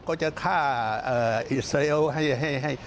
ก็จะฆ่าอิสราเอลให้